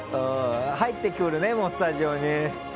入ってくるね、スタジオに。